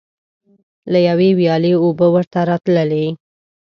له یوې ویالې اوبه ورته راتللې.